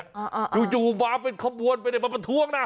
อยู่มาเป็นข้อมูลไม่ได้มาประท้วงนะ